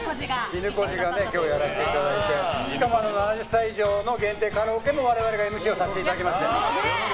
いぬこじがやらせていただいて７０歳以上限定カラオケ！も我々がＭＣをさせていただきますので。